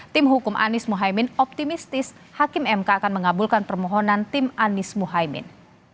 tim hukum anies mohaimin optimistis hakim mk akan mengabulkan permohonan tim anies mohaimin